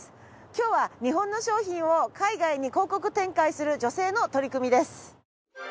今日は日本の商品を海外に広告展開する女性の取り組みです。